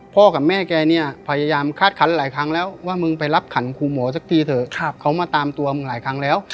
กับแม่แกเนี่ยพยายามคาดคันหลายครั้งแล้วว่ามึงไปรับขันครูหมอสักทีเถอะเขามาตามตัวมึงหลายครั้งแล้ว